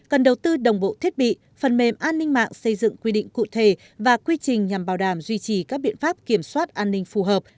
cần đầu tư đồng bộ thiết bị phần mềm an ninh mạng xây dựng quy định cụ thể và quy trình nhằm bảo đảm duy trì các biện pháp kiểm soát an ninh phù hợp